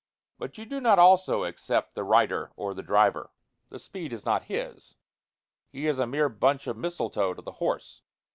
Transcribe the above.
But you do not also except the rider or the driver. The speed is not his. He is a mere bunch of mistletoe to the horse.